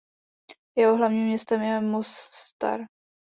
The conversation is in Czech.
Jeho hlavním městem je Mostar.